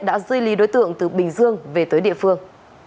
đã dư ly đối tượng từ bình dương về tới địa phương